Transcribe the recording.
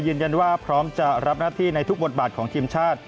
พร้อมจะรับหน้าที่ในทุกบทบาทของทีมชาติ